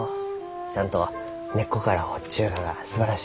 ちゃんと根っこから掘っちゅうががすばらしいき。